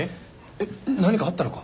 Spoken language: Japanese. えっ何かあったのか？